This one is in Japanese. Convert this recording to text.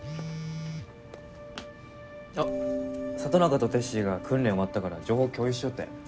あっ里中とてっしーが訓練終わったから情報共有しようって。